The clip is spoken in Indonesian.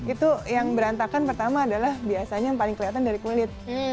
itu yang berantakan pertama adalah biasanya yang paling kelihatan dari kulit